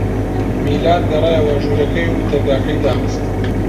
میلاد گەڕایەوە ژوورەکەی و دەرگاکەی داخست.